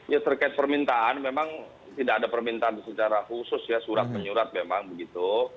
ya terkait permintaan memang tidak ada permintaan secara khusus ya surat menyurat memang begitu